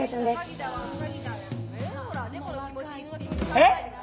えっ！？